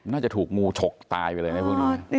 น่าจะถูกงูฉกตายไปเลยนะพวกนี้